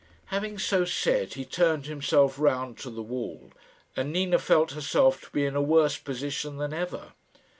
Having so said he turned himself round to the wall, and Nina felt herself to be in a worse position than ever.